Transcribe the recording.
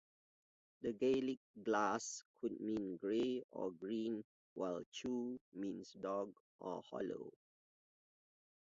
The Gaelic "Glas" could mean grey or green, while "chu" means dog or hollow.